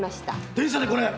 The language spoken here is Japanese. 電車でこれ？